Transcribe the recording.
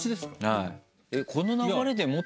はい。